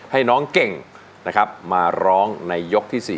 ให้น้องเก่งนะครับมาร้องในยกที่๔